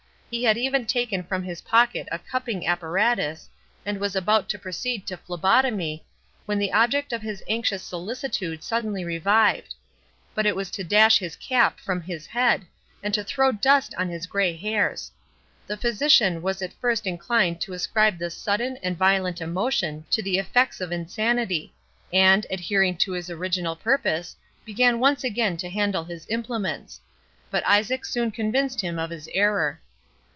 He had even taken from his pocket a cupping apparatus, and was about to proceed to phlebotomy, when the object of his anxious solicitude suddenly revived; but it was to dash his cap from his head, and to throw dust on his grey hairs. The physician was at first inclined to ascribe this sudden and violent emotion to the effects of insanity; and, adhering to his original purpose, began once again to handle his implements. But Isaac soon convinced him of his error.